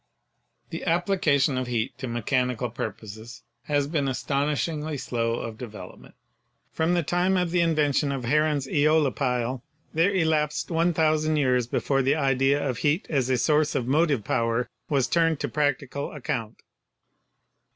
The application of heat to mechanical purposes has been astonishingly slow of development. From the time of the invention of Heron's eolipile there elapsed 1,000 years be fore the idea of heat as a source of motive power was turned to practical account.